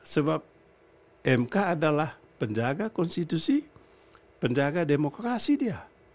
sebab mk adalah penjaga konstitusi penjaga demokrasi dia